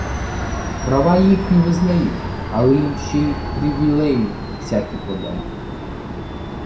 Права їхні визнаю, але їм ще й привілеї всякі подай!